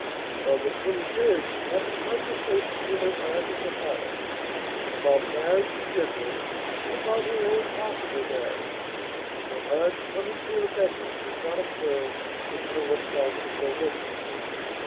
On the 23rd she had the conversation with her aunt in the hallabout marriage in general and about her own possible marriage, her aunt's coming to her bedroom did not occur until the 12th of November....